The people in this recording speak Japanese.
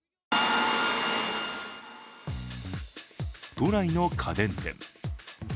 都内の家電店。